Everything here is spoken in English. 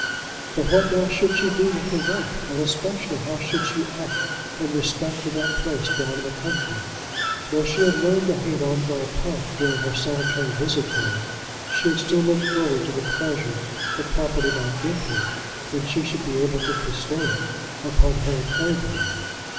But what now should she do with her wealth, and especially how should she act in respect to that place down in the country? Though she had learned to hate Ongar Park during her solitary visit there, she had still looked forward to the pleasure the property might give her, when she should be able to bestow it upon Harry Clavering.